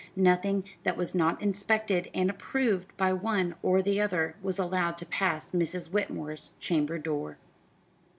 Nothing that was not inspected and approved by one or the other was allowed to pass Mrs. Whitmore's chamber door.